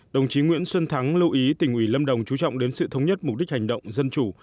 đồng chí nguyễn xuân thắng lưu ý tỉnh ủy lâm đồng chú trọng đến sự thống nhất mục đích hành động dân chủ